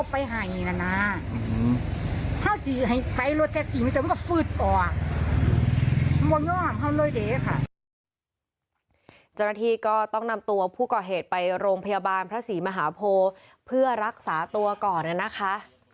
เจ้าหน้าที่นำตัวผู้ก่อเหตุไปโรงพยาบาลพระศรีมหาโพเพื่อรักษาตัวก่อนนะคะ